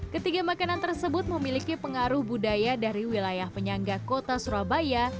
ketiga makanan tersebut memiliki pengaruh budaya dari wilayah penyangga kota surabaya